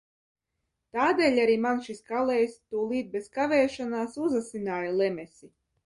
Tādēļ arī man šis kalējs, tūlīt bez kavēšanās uzasināja lemesi.